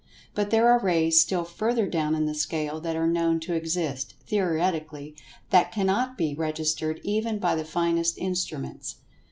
But there are rays still further down in the scale that are known to exist, theoretically, that cannot be registered even by the finest instruments.